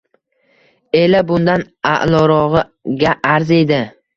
Ella bundan a`lorog`iga arziydi